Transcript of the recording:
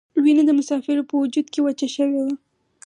وینه د مسافرو په وجود کې وچه شوې وه.